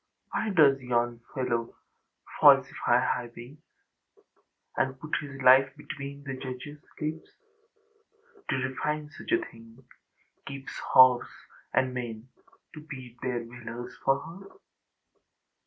Why does yon fellow falsify highways, And put his life between the judgeâs lips, To refine such a thingâkeeps horse and men To beat their valours for her?...